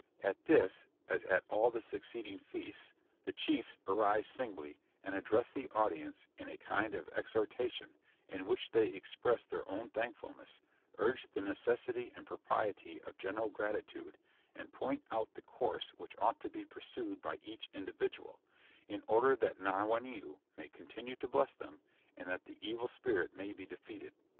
At this, as at all the succeeding feasts, the Chiefs arise singly, and address the audience in a kind of exhortation, in which they express their own thankfulness, urge the necessity and propriety of general gratitude, and point out the course which ought to be pursued by each individual, in order that Nauwaneu may continue to bless them, and that the evil spirit may be defeated.